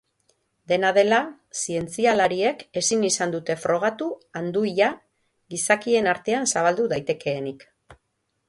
Dena dela, zientzialariek ezin izan dute frogatu anduia gizakien artean zabaldu daitekeenik.